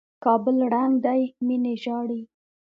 کابل ړنګ دى ميني ژاړي